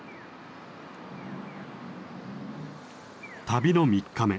旅の３日目。